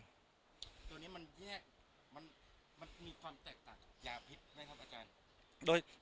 ตัวนี้มันมีความแตกต่างยาพิษใช่ไหมครับอาจารย์